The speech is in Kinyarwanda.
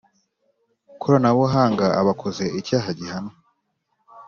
Koranabuhanga aba akoze icyaha gihanwa